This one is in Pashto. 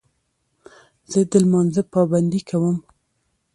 زه د لمانځه پابندي کوم.